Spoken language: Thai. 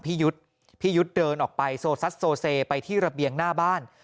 พี่ยุทธ์เดินออกไปไปที่ระเบียงหน้าบ้าน